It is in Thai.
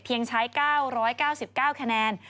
ยังใช้๙๙๙คะแนน